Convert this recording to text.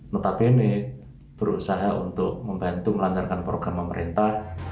notabene berusaha untuk membantu melancarkan program pemerintah